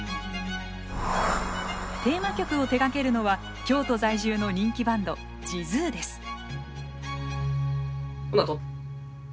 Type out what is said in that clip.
テーマ曲を手がけるのは京都在住の人気バンドｊｉｚｕｅです。